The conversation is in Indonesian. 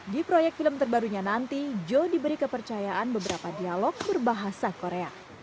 di proyek film terbarunya nanti joe diberi kepercayaan beberapa dialog berbahasa korea